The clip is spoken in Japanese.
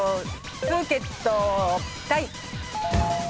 プーケットタイ。